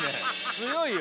強いよ。